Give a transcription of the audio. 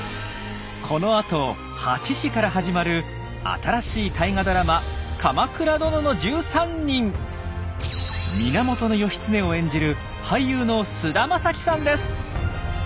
このあと８時から始まる新しい大河ドラマ源義経を演じる俳優の菅田将暉さんです！